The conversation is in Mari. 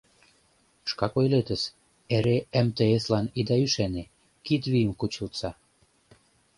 Шкак ойлетыс: эре МТС-лан ида ӱшане, кид вийым кучылтса.